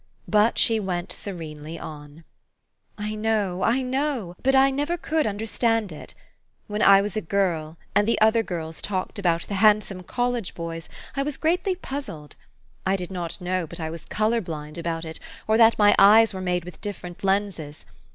But she went serenely on. 11 1 know, I know ! But I never could understand it, When I was a girl, and the other girls talked 98 THE STORY OF AVIS. about the handsome college boj'S, I was greatly puzzled. I did not know but I was color blind about it, or that my eyes were made with different lenses.